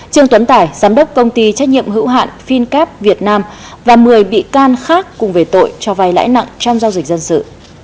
trương tuấn tải giám đốc công ty trách nhiệm hữu hạn fincap việt nam và một mươi bị can khác cùng về tội cho vai lãi nặng trong giao dịch dân sự